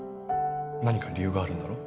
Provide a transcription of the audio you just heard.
何か理由があるんだろ？